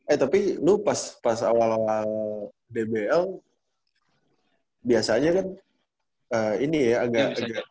eh tapi lu pas awal awal dbl biasanya kan ini ya agak